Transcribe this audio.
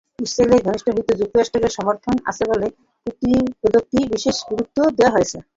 ইসরায়েলের ঘনিষ্ঠ মিত্র যুক্তরাষ্ট্রের সমর্থন আছে বলে প্রতিবেদনটিকে বিশেষ গুরুত্ব দেওয়া হচ্ছে।